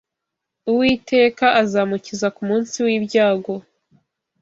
Uwiteka azamukiza ku munsi w’ibyago